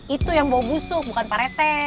itu yang bau busuk bukan pak rete